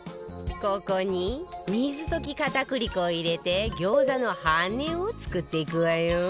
ここに水溶き片栗粉を入れて餃子の羽根を作っていくわよ